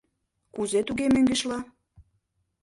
— Кузе туге мӧҥгешла?